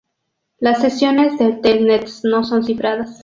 Las sesiones de telnet no son cifradas.